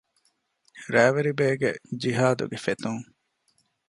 ރައިވެރިބޭގެ ޖިހާދުގެ ފެތުން